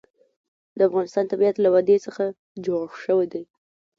د افغانستان طبیعت له وادي څخه جوړ شوی دی.